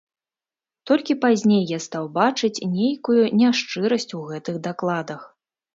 Толькі пазней я стаў бачыць нейкую няшчырасць у гэтых дакладах.